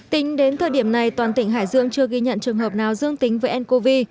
tính đến thời điểm này toàn tỉnh hải dương chưa ghi nhận trường hợp nào dương tính với ncov